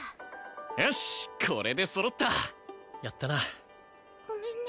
よしこれで揃ったやったなごめんね